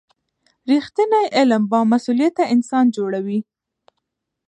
رښتینی علم بامسؤلیته انسان جوړوي.